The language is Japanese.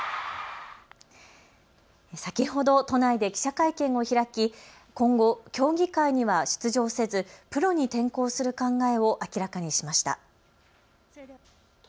先ほど都内で記者会見を開き今後、競技会には出場せずプロに転向する考えを明らかにしました。